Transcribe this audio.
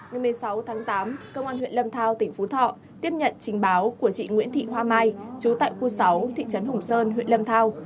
ngày một mươi sáu tháng tám công an huyện lâm thao tỉnh phú thọ tiếp nhận trình báo của chị nguyễn thị hoa mai chú tại khu sáu thị trấn hùng sơn huyện lâm thao